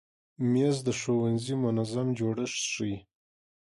مېز د ښوونځي منظم جوړښت ښیي.